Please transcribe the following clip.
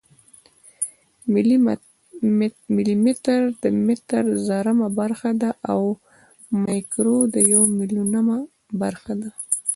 ملي متر د متر زرمه برخه ده او مایکرو د یو میلیونمه برخه ده.